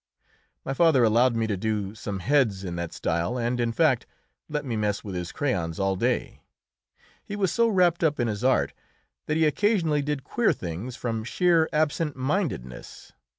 My father allowed me to do some heads in that style, and, in fact, let me mess with his crayons all day. He was so wrapt up in his art that he occasionally did queer things from sheer absent mindedness.